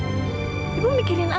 ibu mikirin apa